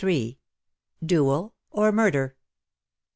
DUEL OR MURDER?